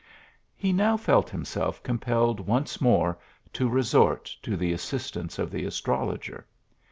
He now felt himself compelled once more to re sort to the assistance of the astrologer.